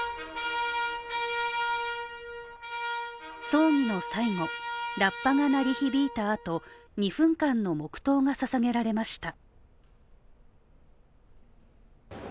葬儀の最後、ラッパが鳴り響いたあと２分間の黙とうが捧げられました。